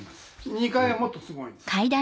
２階はもっとすごいんですよ。